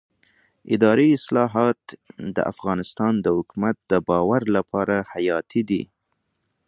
اداري اصلاحات د افغانستان د حکومت د باور لپاره حیاتي دي